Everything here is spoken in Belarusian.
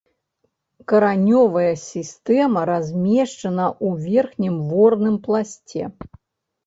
Каранёвая сістэма размешчана ў верхнім ворным пласце.